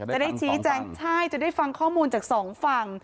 จะได้ชี้แจงใช่จะได้ฟังข้อมูลจากสองฝั่ง